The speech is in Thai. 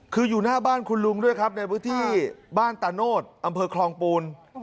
คืออยู่หน้าบ้านคุณลุงด้วยครับในพื้นที่บ้านตาโนธอำเภอคลองปูน